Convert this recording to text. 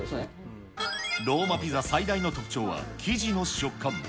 ローマピザ最大の特徴は、生地の食感。